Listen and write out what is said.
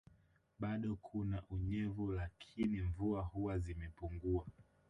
Bado kuna unyevu lakini mvua huwa zimepunguwa